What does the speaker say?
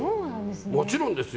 もちろんですよ。